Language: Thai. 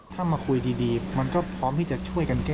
ถ้ามาคุยดีมันก็พร้อมที่จะช่วยกันแก้